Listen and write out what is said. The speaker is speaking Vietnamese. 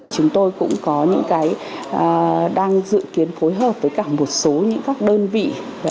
chúng tôi cũng có những cái đang dự kiến phối hợp với cả một số những các đơn vị